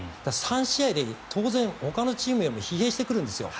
３試合で当然ほかのチームよりも疲弊してくるんですよ。